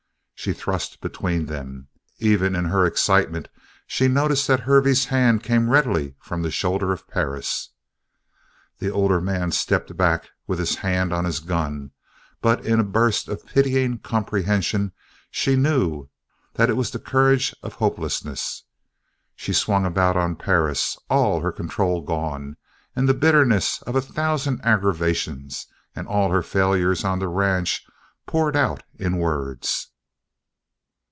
She thrust between them. Even in her excitement she noticed that Hervey's hand came readily from the shoulder of Perris. The older man stepped back with his hand on his gun, but in a burst of pitying comprehension she knew that it was the courage of hopelessness. She swung about on Perris, all her control gone, and the bitterness of a thousand aggravations and all her failures on the ranch poured out in words.